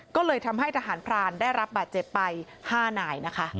ก็เลยทำให้ทหารพรานได้รับบาดเจ็บไป๕นายนะคะ